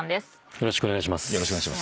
よろしくお願いします。